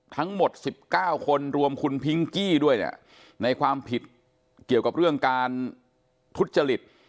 ทั้งหมด๑๙คนรวมคุณพิงกี้ด้วยเนี่ยในความผิดเกี่ยวกับเรื่องการทุจจริต